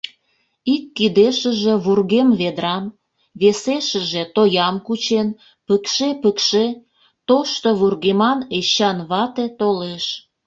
Ик кидешыже вургем ведрам, весешыже тоям кучен, пыкше-пыкше тошто вургеман Эчан вате толеш.